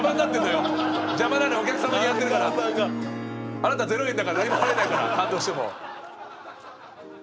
あなた０円だから何も払えないから感動しても。